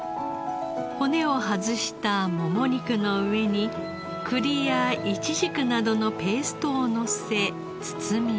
骨を外したもも肉の上に栗やイチジクなどのペーストをのせ包みます。